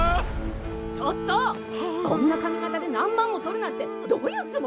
・ちょっとこんなかみがたで何万も取るなんてどういうつもり！？